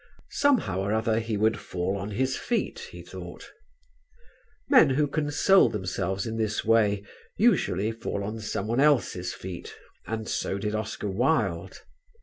Somehow or other he would fall on his feet, he thought. Men who console themselves in this way usually fall on someone else's feet and so did Oscar Wilde.